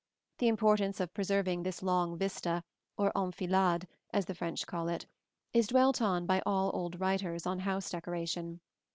The importance of preserving this long vista, or enfilade, as the French call it, is dwelt on by all old writers on house decoration.